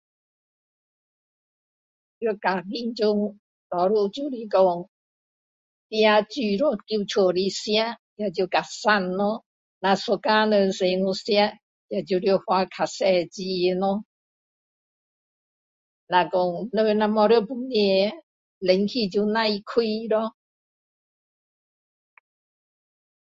在家庭中多数就是说自己煮咯在家里吃那就比较省咯若一家人出去吃那就花比较多钱咯若说人没有在房里冷气就不用开咯